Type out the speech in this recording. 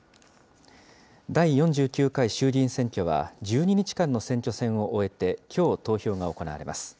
第４９回衆議院選挙は、１２日間の選挙戦を終えて、きょう投票が行われます。